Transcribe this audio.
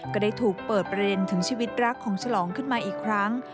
ก็ได้ถูกเปิดประเด็นถึงชีวิตรักของฉลองขึ้นมาอีกครั้ง